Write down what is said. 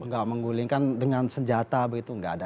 enggak menggulingkan dengan senjata begitu enggak ada